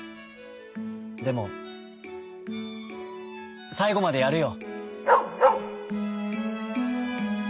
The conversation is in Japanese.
でもさいごまでやるよ」。